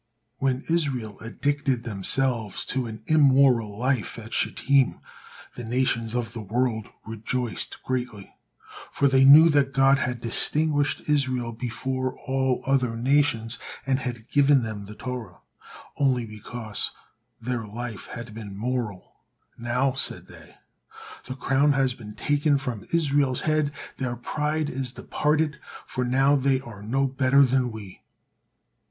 When Israel addicted themselves to an immoral life at shittim, the nations of the world rejoiced greatly, for they knew that God had distinguished Israel before all other nations, and had given them the Torah, only because their life had been moral. "Now," said they, "the crown has been taken from Israel's head, their pride is departed, for now they are no better then we."